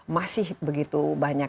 masih begitu banyak